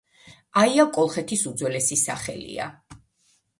აია კოლხეთის უძველესი სახელია.